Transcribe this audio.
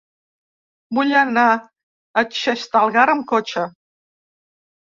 Vull anar a Xestalgar amb cotxe.